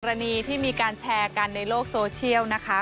อันดับสรรค์ที่มีการแชร์กันในโลกโซเชียลนะคะ